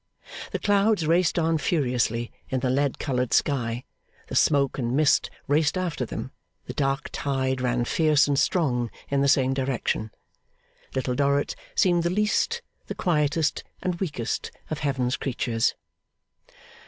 The clouds raced on furiously in the lead coloured sky, the smoke and mist raced after them, the dark tide ran fierce and strong in the same direction. Little Dorrit seemed the least, the quietest, and weakest of Heaven's creatures.